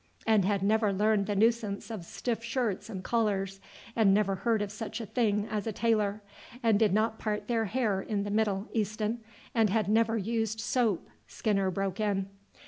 "And had never learned the nuisance of stiff shirts and collars, and never heard of such a thing as a tailor, and did not part their hair in the middle, Easton, and had never used soap," Skinner broke in.